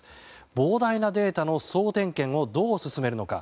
膨大なデータの総点検をどう進めるのか。